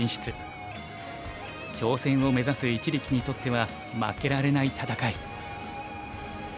挑戦を目指す一力にとっては負けられない戦い。